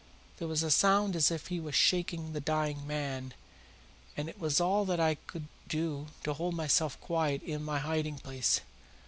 There was a sound as if he was shaking the dying man, and it was all that I could do to hold myself quiet in my hiding place.